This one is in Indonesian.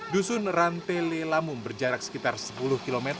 dusun rantele lamum berjarak sekitar sepuluh km